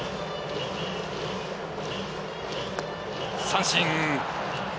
三振。